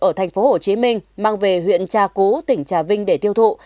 ở thành phố hồ chí minh mang về huyện trà cú tỉnh trà vinh để tiêu thụ